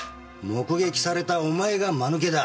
目撃されたお前がマヌケだ。